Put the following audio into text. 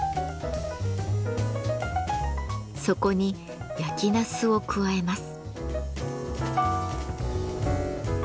そこに焼きなすを加えます。